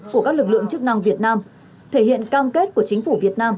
của các lực lượng chức năng việt nam thể hiện cam kết của chính phủ việt nam